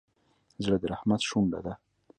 زړه د رحمت شونډه ده.